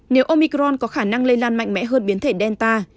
nếu omicron có khả năng lây lan mạnh mẽ hơn biến thể delta